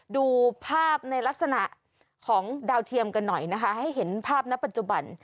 ดูภาพในลักษณะของดาวเทียมกันหน่อยนะคะให้เห็นภาพณปัจจุบัน